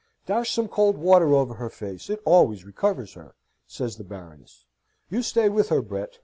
"Dash some cold water over her face, it always recovers her!" says the Baroness. "You stay with her, Brett.